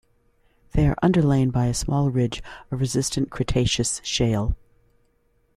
They are underlain by a small ridge of resistant Cretaceous shale.